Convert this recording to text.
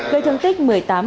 gây thương tích một mươi tám